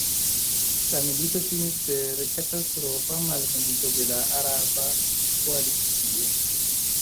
La milito finis per katastrofa malvenko de la araba koalicio.